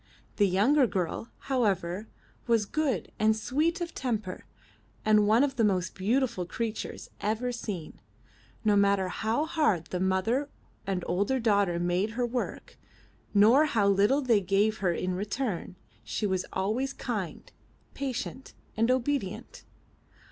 The younger girl, however, was good and sweet of temper, and one of the most beautiful creatures ever seen. No matter how hard the Mother and older daughter made her work, nor how little they gave her in return, she was always kind, patient, and obedient.